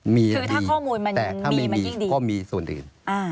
มีดีแต่ถ้ามีมีก็มีส่วนอื่น